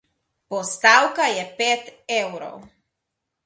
Postavka je pet evrov.